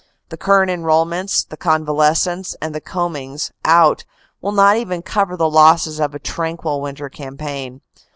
The current enrolments, the convalescents, and the combings out will not even cover the losses of a tranquil winter cam paign.